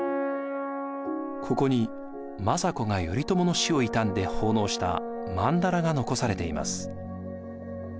ここに政子が頼朝の死を悼んで奉納したまんだらが残されています。